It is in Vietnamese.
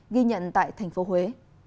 ghi nhận tại thành phố huế